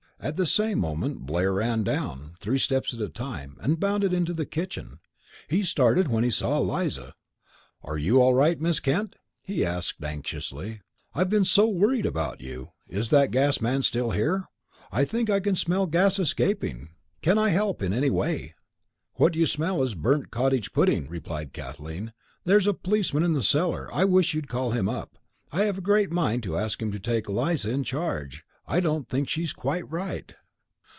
At the same moment Blair ran down, three steps at a time, and bounded into the kitchen. He started when he saw Eliza. "Are you all right, Miss Kent?" he asked, anxiously. "I've been so worried about you. Is that gas man still here? I think I can smell gas escaping. Can I help in any way?" "What you smell is a burnt cottage pudding," replied Kathleen. "There's a policeman in the cellar, I wish you'd call him up. I have a great mind to ask him to take Eliza in charge. I don't think she's quite right."